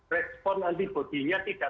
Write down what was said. respon antibodinya tidak